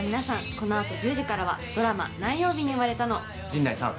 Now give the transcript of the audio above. このあとドラマ何曜日に生まれたの陣内さん